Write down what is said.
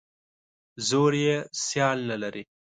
زور یې سیال نه لري.